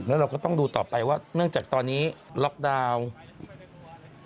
แล้วเราก็ต้องดูต่อไปว่าเนื่องจากตอนนี้ล็อกดาวน์